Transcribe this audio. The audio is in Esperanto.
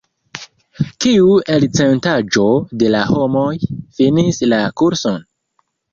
Kiu elcentaĵo de la homoj finis la kurson?